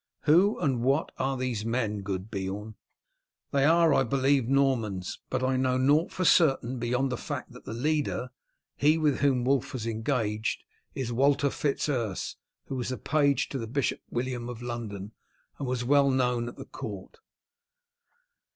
"Who and what are these men, good Beorn?" "They are, I believe, Normans; but I know naught for certain beyond the fact that the leader, he with whom Wulf was engaged, is Walter Fitz Urse, who was a page of the Bishop William of London, and was well known at the court."